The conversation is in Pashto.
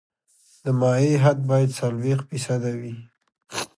د مایع حد باید څلوېښت فیصده وي